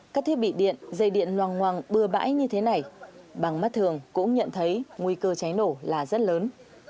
các bị điện dây điện loàng loàng bừa bãi như thế này bằng mắt thường cũng nhận thấy nguy cơ cháy nổ là rất lớn